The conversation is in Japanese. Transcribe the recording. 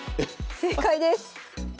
正解です。